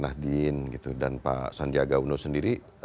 nahdlin dan pak sandiaga uno sendiri